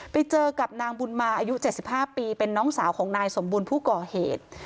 ไปเจอกับนางบุญมาอายุ๗๕ปีเป็นน้องสาวของนายสมบูรณ์ผู้ก่อเหตุ